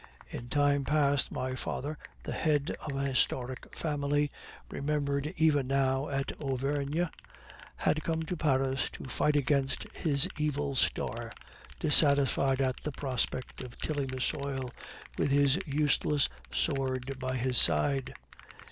In time past my father, the head of a historic family remembered even now in Auvergne, had come to Paris to fight against his evil star, dissatisfied at the prospect of tilling the soil, with his useless sword by his side.